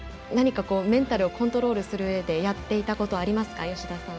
メンタルをコントロールするうえでやっていたこと、ありますか？